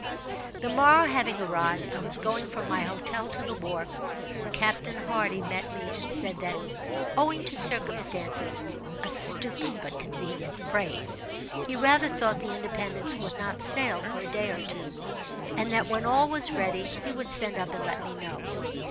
The morrow having arrived, I was going from my hotel to the wharf, when Captain Hardy met me and said that, "owing to circumstances" (a stupid but convenient phrase), "he rather thought the 'Independence' would not sail for a day or two, and that when all was ready, he would send up and let me know."